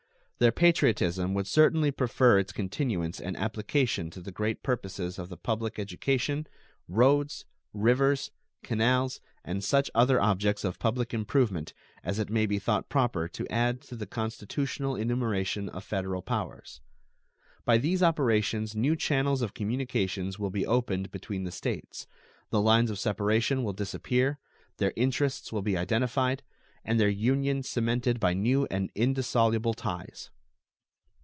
Their patriotism would certainly prefer its continuance and application to the great purposes of the public education, roads, rivers, canals, and such other objects of public improvement as it may be thought proper to add to the constitutional enumeration of Federal powers. By these operations new channels of communications will be opened between the States, the lines of separation will disappear, their interests will be identified, and their union cemented by new and indissoluble ties.